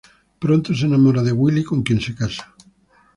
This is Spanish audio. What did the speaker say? Pronto se enamora de Willie, con quien se casa.